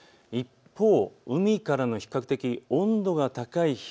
一方、海からの比較的温度が高い